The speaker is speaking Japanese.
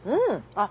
あっ。